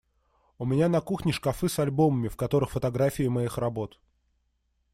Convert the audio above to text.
У меня на кухне шкафы с альбомами, в которых фотографии моих работ.